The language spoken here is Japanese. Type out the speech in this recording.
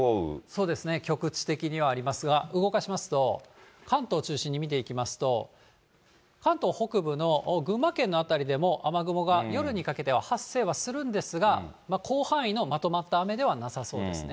そうですね、局地的にはありますが、動かしますと、関東を中心に見ていきますと、関東北部の群馬県の辺りでも、雨雲が夜にかけては発生はするんですが、広範囲のまとまった雨ではなさそうですね。